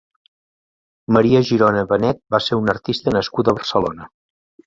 Maria Girona Benet va ser una artista nascuda a Barcelona.